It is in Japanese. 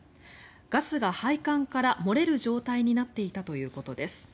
ガスが配管から漏れる状態になっていたということです。